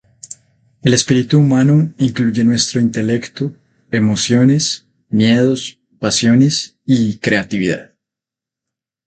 El espíritu humano incluye nuestro intelecto, emociones, miedos, pasiones, y creatividad.